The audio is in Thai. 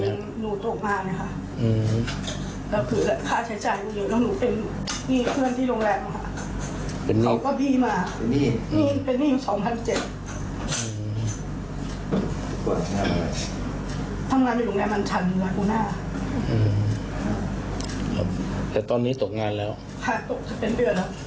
หากตกก็เป็นเดือนครับ